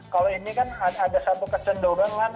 kalau ini kan ada satu kecenderungan